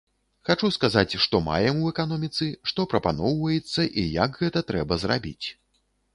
Хачу сказаць, што маем у эканоміцы, што прапаноўваецца, і як гэта трэба зрабіць.